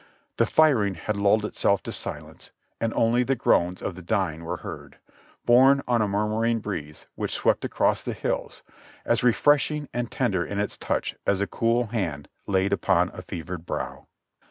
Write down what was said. The firing had lulled itself to silence and only the groans of the dying were heard, borne on a murmuring breeze which swept across the hills, as refreshing and tender in its touch as a cool hand laid upon a fevered brow.